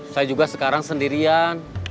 saya juga sekarang sendirian